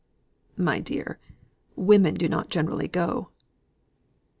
My dear, women do not generally go."